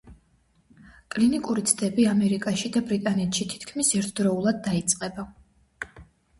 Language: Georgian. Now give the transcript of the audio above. კლინიკური ცდები ამერიკაში და ბრიტანეთში თითქმის ერთდროულად დაიწყება.